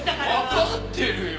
わかってるよ。